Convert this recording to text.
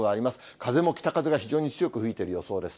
風も北風が非常に強い吹いている予想です。